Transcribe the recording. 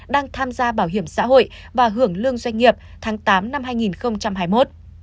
đang tham gia bảo hiểm xã hội và hưởng lương doanh nghiệp tháng tám năm hai nghìn hai mươi một